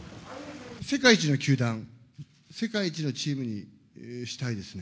世界一の球団、世界一のチームにしたいですね。